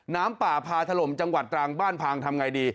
น้ำป่าพาถล่มจังหวัดตรังบ้านพังทำไงดี